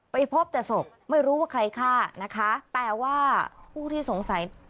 พบแต่ศพไม่รู้ว่าใครฆ่านะคะแต่ว่าผู้ที่สงสัย